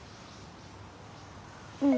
うん。